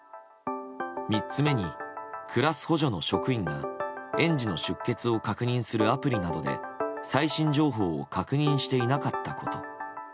３つ目にクラス補助の職員が園児の出欠を確認するアプリなどで、最新情報を確認していなかったこと。